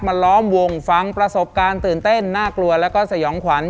ล้อมวงฟังประสบการณ์ตื่นเต้นน่ากลัวแล้วก็สยองขวัญ